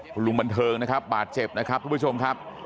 คุณลุงบันเทิงนะครับบาดเจ็บนะครับทุกผู้ชมครับ